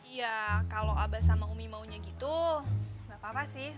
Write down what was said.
iya kalau abah sama umi maunya gitu nggak apa apa sih